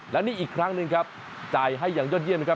และนี่อีกครั้งหนึ่งครับจ่ายให้อย่างยอดเยี่ยมนะครับ